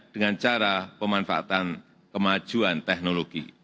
dengan cara pemanfaatan kemajuan teknologi